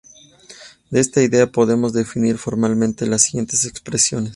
De esta idea podemos definir formalmente las siguientes expresiones.